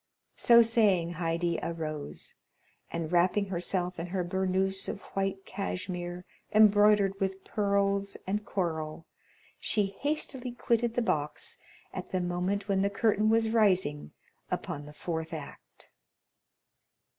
So saying, Haydée arose, and wrapping herself in her burnouse of white cashmere embroidered with pearls and coral, she hastily quitted the box at the moment when the curtain was rising upon the fourth act.